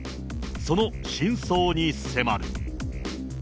その真相に迫る。